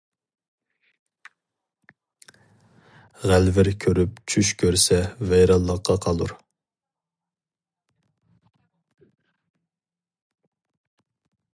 غەلۋىر كۆرۈپ چۈش كۆرسە ۋەيرانلىققا قالۇر.